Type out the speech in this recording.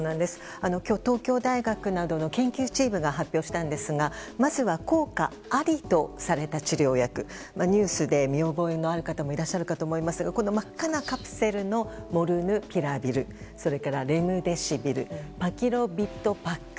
今日、東京大学などの研究チームが発表したんですがまずは効果ありとされた治療薬ニュースで見覚えのある方もいらっしゃるかと思いますがこの真っ赤なカプセルのモルヌピラビルそれから、レムデシビルパキロビッドパック。